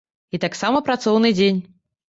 І таксама працоўны дзень.